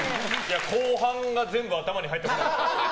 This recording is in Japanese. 後半が全部頭に入ってこなかった。